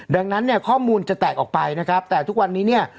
ดังนั้นเนี่ยข้อมูลจะแตกออกไปนะครับแต่ทุกวันนี้เนี่ย